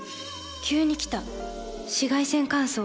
急に来た紫外線乾燥。